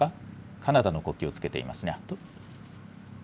カナダの国旗をつけていますね。